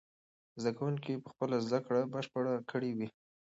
زده کوونکي به خپله زده کړه بشپړه کړې وي.